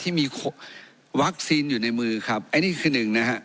ที่มีวัคซีนอยู่ในมือครับอันนี้คือหนึ่งนะฮะ